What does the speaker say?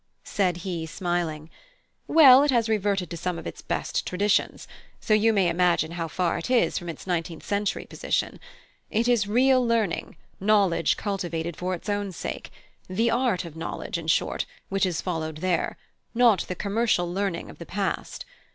said he, smiling. "Well, it has reverted to some of its best traditions; so you may imagine how far it is from its nineteenth century position. It is real learning, knowledge cultivated for its own sake the Art of Knowledge, in short which is followed there, not the Commercial learning of the past.